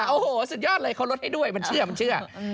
โอ้โหสุดยอดเลยเขารถให้ด้วยมันเชื่อ